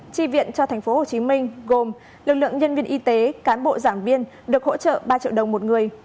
tri viện cho thành phố hồ chí minh gồm lực lượng nhân viên y tế cán bộ giảng viên được hỗ trợ ba triệu đồng một người